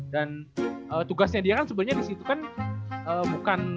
dan tugasnya dia kan sebenernya disitu kan bukan